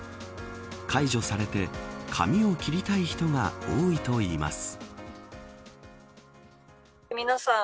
解除されて髪を切りたい人が多いといいます。